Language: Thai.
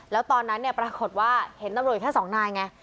แล้วตอนนั้นเนี่ยปรากฏว่าเห็นตำรวจแค่สองนายไง